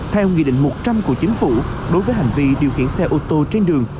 theo nghị định một trăm linh của chính phủ đối với hành vi điều khiển xe ô tô trên đường